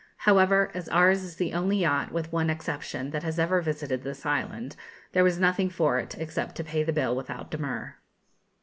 However, as ours is the only yacht, with one exception, that has ever visited this island, there was nothing for it except to pay the bill without demur.